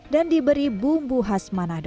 dan diberi bumbu khas manado